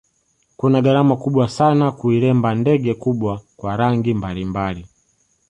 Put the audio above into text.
Kuna gharama kubwa sana kuiremba ndege kubwa kwa rangi mbalimbali